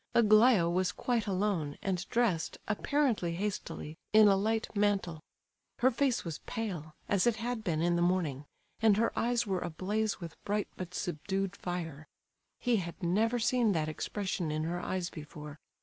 Aglaya was quite alone, and dressed, apparently hastily, in a light mantle. Her face was pale, as it had been in the morning, and her eyes were ablaze with bright but subdued fire. He had never seen that expression in her eyes before.